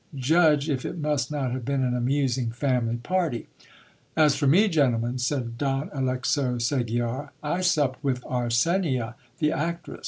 Judge if it must not have been an amusing family party." 1/ As for me, gentlemen, said Don Alexo Segiar, u I supped with Arsenia the actress.